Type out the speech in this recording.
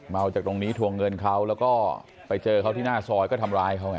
จากตรงนี้ทวงเงินเขาแล้วก็ไปเจอเขาที่หน้าซอยก็ทำร้ายเขาไง